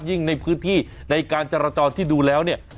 ในพื้นที่ในการจราจรที่ดูแล้วเนี่ย